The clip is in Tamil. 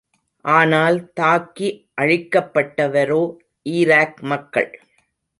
ஆனால் தாக்கி அழிக்கப்பட்டவரோ ஈராக் மக்கள்!